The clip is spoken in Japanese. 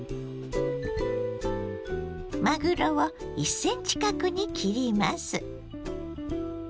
まぐろを１ｃｍ角に切ります。